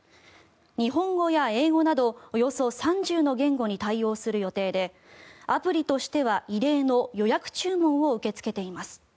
日本語や英語などおよそ３０の言語に対応する予定でアプリとしては異例の予約注文を受け付けています。